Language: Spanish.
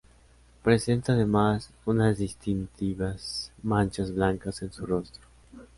Presenta, además, unas distintivas manchas blancas en su rostro.